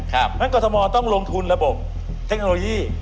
เพราะฉะนั้นกรทมต้องลงทุนระบบเทคโนโลยี